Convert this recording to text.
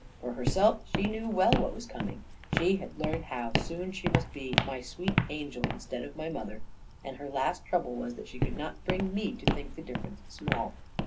For herself, she knew well what was coming; she had learned how soon she must be my sweet angel instead of my mother, and her last trouble was that she could not bring me to think the difference small.